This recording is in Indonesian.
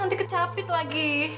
nanti kecapit lagi